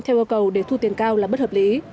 theo yêu cầu để thu tiền cao là bất hợp lý